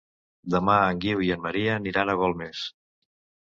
Demà en Guiu i en Maria aniran a Golmés.